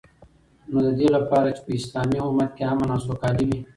نو ددی لپاره چی په اسلامی امت کی امن او سوکالی وی